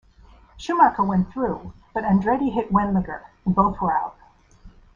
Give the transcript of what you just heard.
Schumacher went through but Andretti hit Wendlinger and both were out.